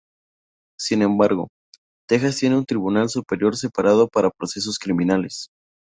Sin embargo, Texas tiene un tribunal superior separado para procesos criminales.